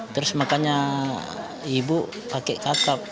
terus makanya ibu pakai kakap